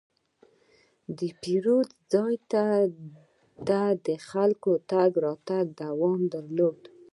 د پیرود ځای ته د خلکو تګ راتګ دوام درلود.